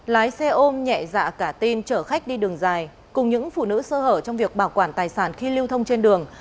lái xe ôm nhẹ dạ cả tin chở khách đi đường dài cùng những phụ nữ sơ hở trong việc bảo quản tài sản khi lưu thông trên đường